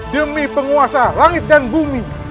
demi penguasa langit dan bumi